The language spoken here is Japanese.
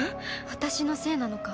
私のせいなのか？